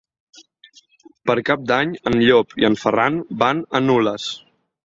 Per Cap d'Any en Llop i en Ferran van a Nules.